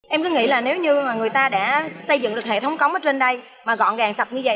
em cứ nghĩ là nếu như mà người ta đã xây dựng được hệ thống cống ở trên đây mà gọn gàng sập như vậy